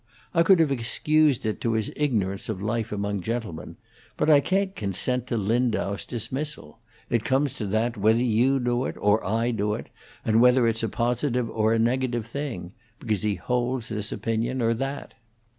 I could have excused it to his ignorance of life among gentlemen; but I can't consent to Lindau's dismissal it comes to that, whether you do it or I do it, and whether it's a positive or a negative thing because he holds this opinion or that."